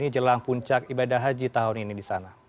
jelang puncak ibadah haji tahun ini